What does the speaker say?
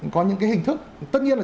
có những cái hình thức tất nhiên là